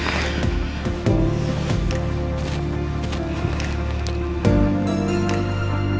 gak usah senyum senyum